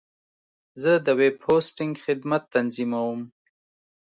زه د ویب هوسټنګ خدمت تنظیموم.